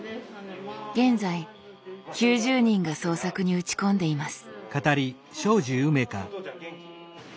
現在９０人が創作に打ち込んでいます。